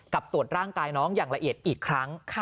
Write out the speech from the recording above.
ตรวจร่างกายน้องอย่างละเอียดอีกครั้ง